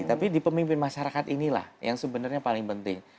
tapi di pemimpin masyarakat inilah yang sebenarnya paling penting